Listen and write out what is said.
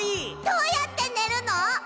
どうやってねるの？